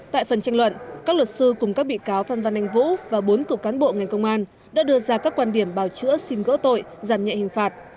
tại phần tranh luận các luật sư cùng các bị cáo phan văn anh vũ và bốn cựu cán bộ ngành công an đã đưa ra các quan điểm bào chữa xin gỡ tội giảm nhẹ hình phạt